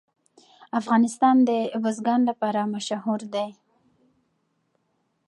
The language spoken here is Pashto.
افغانستان د بزګان لپاره مشهور دی.